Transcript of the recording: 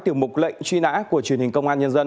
tiểu mục lệnh truy nã của truyền hình công an nhân dân